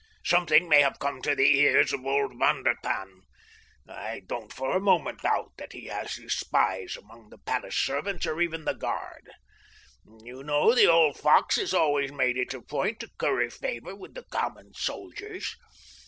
Something may have come to the ears of old Von der Tann. I don't for a moment doubt but that he has his spies among the palace servants, or even the guard. You know the old fox has always made it a point to curry favor with the common soldiers.